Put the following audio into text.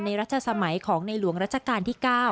รัชสมัยของในหลวงรัชกาลที่๙